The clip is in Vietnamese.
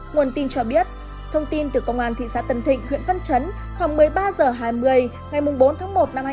nguồn tin cho biết thông tin từ công an thị xã tân thịnh huyện văn chấn khoảng một mươi ba h hai mươi ngày bốn tháng một năm hai nghìn hai mươi